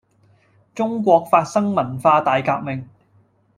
中國發生文化大革命